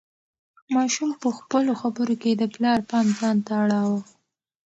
ماشوم په خپلو خبرو کې د پلار پام ځان ته اړاوه.